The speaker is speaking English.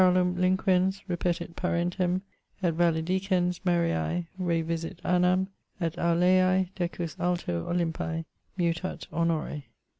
Carolum linquens, repetit Parentem; Et valedicens Mariae, revisit Annam; et Aulaei decus alto Olympi Mutat honore.